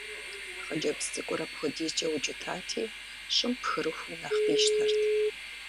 Хъыджэбз цӀыкӀур апхуэдизкӀэ укӀытати, щӀым пхырыхум нэхъ къищтэрт.